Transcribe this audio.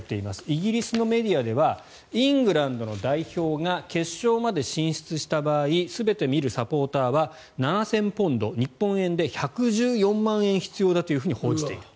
イギリスのメディアではイングランドの代表が決勝まで進出した場合全て見るサポーターは７０００ポンド日本円で１１４万円必要だと報じている。